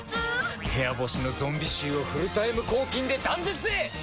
部屋干しのゾンビ臭をフルタイム抗菌で断絶へ！